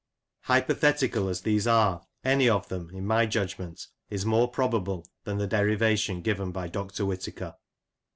Hypothetical as these are, any of them, in my judgment, is more probable than the derivation given by Dr. Whitaker.